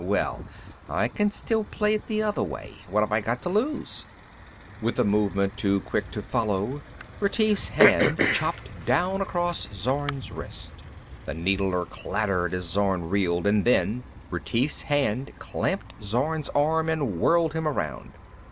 Well, I can still play it the other way, What have I got to lose?" With a movement too quick to follow, Retief's hand chopped down across Zorn's wrist. The needler clattered as Zorn reeled, and then Retief's hand clamped Zorn's arm and whirled him around.